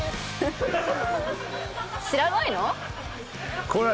知らないの？